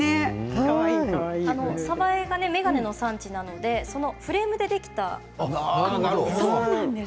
鯖江は眼鏡の産地なのでそのフレームでできたものです。